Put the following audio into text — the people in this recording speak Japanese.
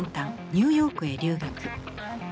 ニューヨークへ留学。